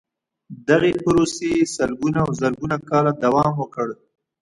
دغې پروسې سلګونه او زرګونه کاله دوام وکړ.